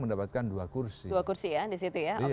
menyebutkan dua kursi dua kursi ya di situ ya